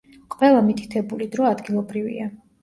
ყველა მითითებული დრო ადგილობრივია.